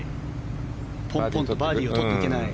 ポンポンとバーディーを取っていけない。